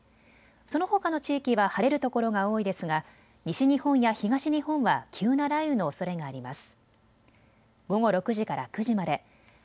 そのほかの地域は晴れる所が多いですが、西日本や東日本は急な雷雨のおそれがあります。